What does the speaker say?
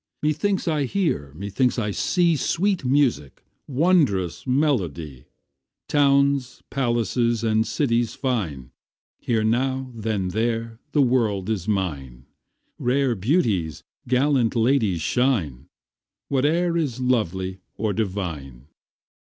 Methinks I hear, methinks I see, Sweet music, wondrous melody, Towns, palaces, and cities fine; Here now, then there; the world is mine, Rare beauties, gallant ladies shine, Whate'er is lovely or divine.